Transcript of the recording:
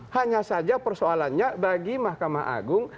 hanya saja persoalannya bagi mahkamah agung